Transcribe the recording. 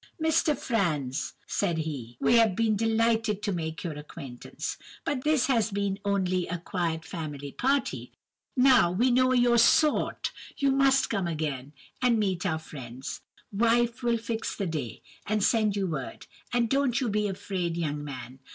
"'Mr. Franz,' said he, 'we have been delighted to make your acquaintance, but this has been only a quiet family party. Now we know your sort, you must come again, and meet our friends. Wife will fix the day, and send you word; and don't you be afraid, young man!